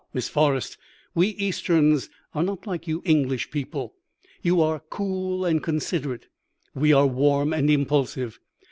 Miss Forrest, we Easterns are not like you English people. You are cool and considerate; we are warm and impulsive.